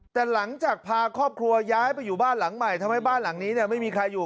แต่หลังจากพาครอบครัวย้ายไปอยู่บ้านหลังใหม่ทำให้บ้านหลังนี้ไม่มีใครอยู่